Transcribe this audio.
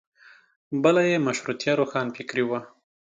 بله یې مشروطیه روښانفکري وه.